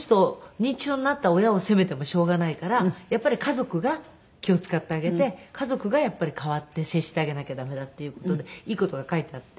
認知症になった親を責めてもしょうがないからやっぱり家族が気を使ってあげて家族が変わって接してあげなきゃ駄目だっていう事でいい事が書いてあって。